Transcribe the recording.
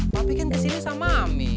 papi kan kesini sama ami